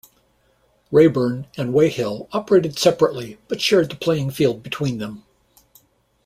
Raeburn and Weyhill operated separately but shared the playing field between them.